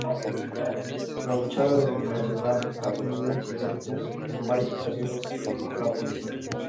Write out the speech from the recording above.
La hinchada de Nacional ha tenido incidentes en varias ocasiones con la policía.